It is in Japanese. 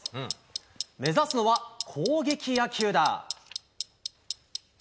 目指すのは攻撃野球だ。